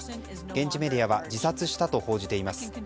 現地メディアは自殺したと報じています。